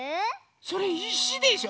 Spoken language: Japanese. それいしでしょ？